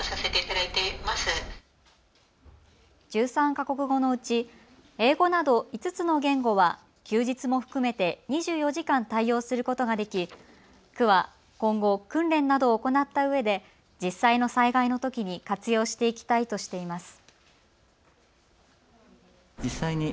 １３か国語のうち英語など５つの言語は休日も含めて２４時間対応することができ区は今後、訓練などを行ったうえで実際の災害のときに活用していきたいとしています。